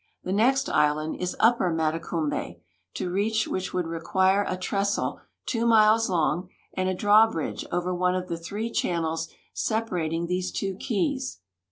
The next island is Upper Matecumhe, to reach which would require a trestle two miles long and a draw bridge over one of the three channels separating these two keys.